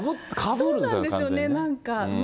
そうなんですよね、なんか。